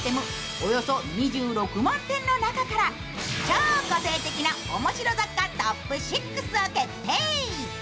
およそ２６万点の中から超個性的な面白雑貨トップ６を決定。